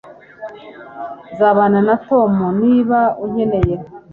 Nzabana na Tom niba unkeneye